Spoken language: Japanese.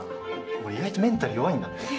俺意外とメンタル弱いんだって。